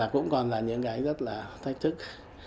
cũng còn là những cái rất là thách thức